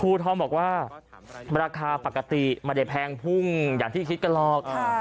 ทองบอกว่าราคาปกติไม่ได้แพงพุ่งอย่างที่คิดกันหรอก